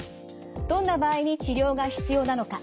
どんな場合に治療が必要なのか。